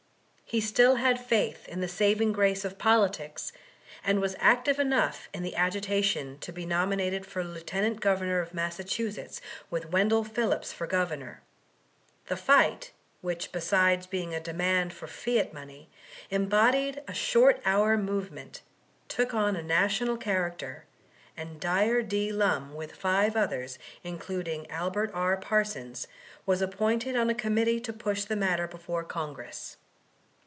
He still had faith in the saving grace of politics, and was active enough in the agitation to be nominated for Lieut Governor of Massachusetts with Wendell Phillips for Governor. The fight, which be sides being a demand for fiat money, embodied a short hour movement, took on a national character; and Dyer D. Lum with five others, induding Albert R. Persons, was appointed on a committee to push the matter before G>ngress.